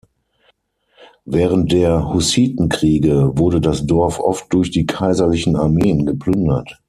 Während der Hussitenkriege wurde das Dorf oft durch die kaiserlichen Armeen geplündert.